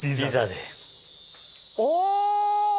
お！